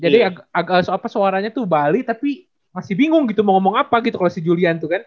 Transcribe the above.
jadi agak apa suaranya tuh bali tapi masih bingung gitu mau ngomong apa gitu kalo si julian tuh kan